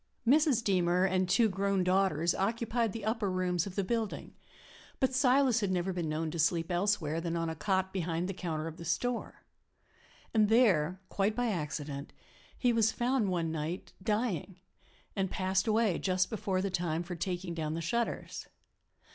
Mrs. Deemer and two grown daughters occupied the upper rooms of the building, but Silas had never been known to sleep elsewhere than on a cot behind the counter of the store. And there, quite by accident, he was found one night, dying, and passed away just before the time for taking down the shutters.